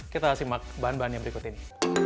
kita lihat bahan bahan yang berikut ini